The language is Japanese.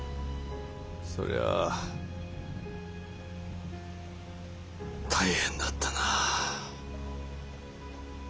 そりゃあ大変だったなあ。